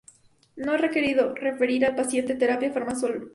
No es requerido referir al paciente terapia farmacológica.